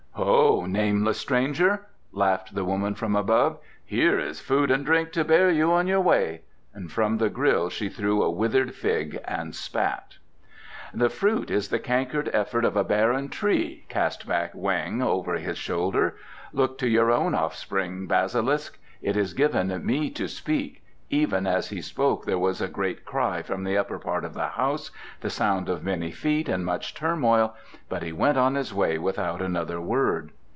"Ho, nameless stranger," laughed the woman from above, "here is food and drink to bear you on your way"; and from the grille she threw a withered fig and spat. "The fruit is the cankered effort of a barren tree," cast back Weng over his shoulder. "Look to your own offspring, basilisk. It is given me to speak." Even as he spoke there was a great cry from the upper part of the house, the sound of many feet and much turmoil, but he went on his way without another word.